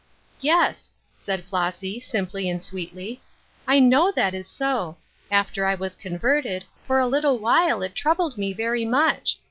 " Yes," said Flossy, simply and sweetly, " I know that is so. After I was converted, for a little while it troubled me very much.